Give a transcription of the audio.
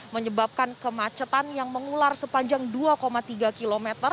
menyebabkan kemacetan yang mengular sepanjang dua tiga km